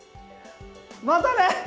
またね！